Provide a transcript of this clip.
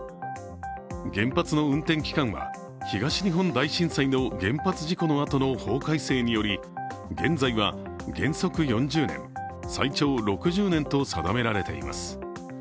原発の運転期間は東日本大震災の原発事故のあとの法改正により現在は原則４０年、最長６０年と定められています。